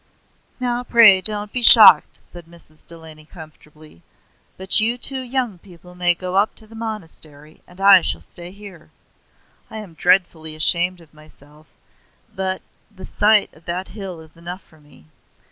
"Now pray don't be shocked," said Mrs. Delany comfortably; "but you two young people may go up to the monastery, and I shall stay here. I am dreadfully ashamed of myself, but the sight of that hill is enough for me.